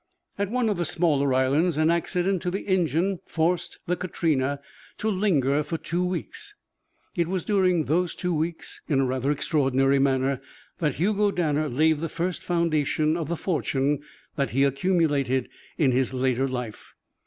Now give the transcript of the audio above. At one of the smaller islands an accident to the engine forced the Katrina to linger for two weeks. It was during those two weeks, in a rather extraordinary manner, that Hugo Danner laid the first foundation of the fortune that he accumulated in his later life.